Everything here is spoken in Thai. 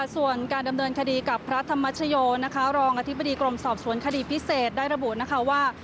ส่วนการดำเนินคดีกับพระธรรมชโยนะคะรองอธิบดีกรมสอบสวนคดีพิเศษได้ระบุนะคะว่า